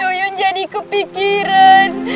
yuyun jadi kepikiran